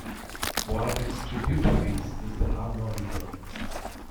One of its tributaries is the Alma River.